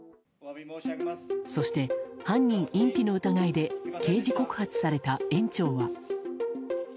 そして、犯人隠避の疑いで刑事告発された園長は。